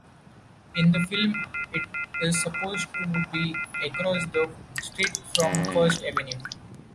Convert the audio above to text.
In the film, it is supposed to be across the street from First Avenue.